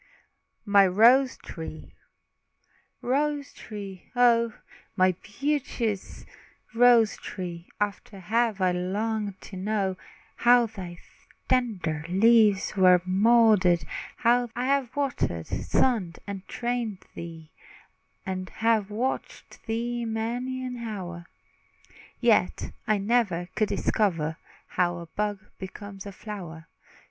MY ROSE TREE. Rose tree, O! my beauteous rose tree, Often have I longed to know How thy tender leaves were moulded How thy buds are burst, and blow. I have watered, sunned, and trained thee, And have watched thee many an hour, Yet I never could discover How a bud becomes a flower.